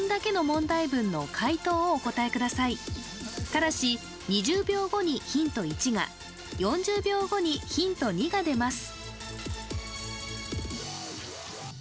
ただし２０秒後にヒント１が４０秒後に、ヒント２が出ます。